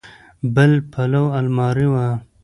بل پلو المارۍ وه.